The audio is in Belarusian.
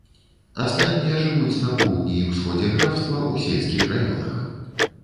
Астатнія жывуць на поўдні і ўсходзе графства, у сельскіх раёнах.